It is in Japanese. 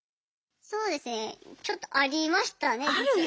そうですねちょっとありましたね。